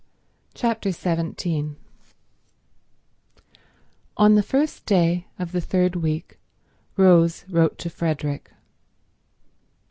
Chapter 17 On the first day of the third week Rose wrote to Frederick.